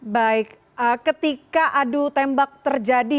baik ketika adu tembak terjadi